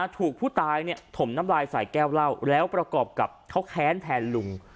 ถูกผู้ตายถมน้ำลายใส่แก้วเหล้าแล้วประกอบกับเขาแค้นแทนลุง